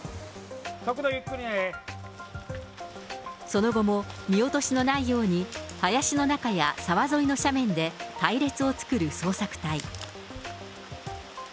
その後も、見落としのないように、林の中や沢沿いの斜面で隊列を作る捜索隊。